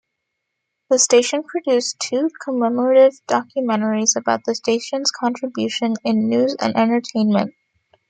The station produced two commemorative documentaries about the station's contribution in news and entertainment.